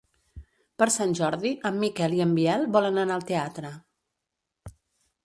Per Sant Jordi en Miquel i en Biel volen anar al teatre.